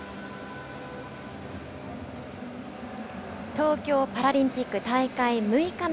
東京パラリンピック大会６日目。